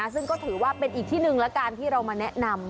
ซึ่งก็ถือว่าเป็นอีกที่หนึ่งแล้วกันที่เรามาแนะนำ